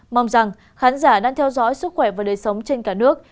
mong rằng khán giả đang theo dõi sức khỏe và đời sống trên cả nước